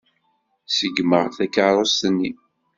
Ṣeggmeɣ-d takeṛṛust-nni.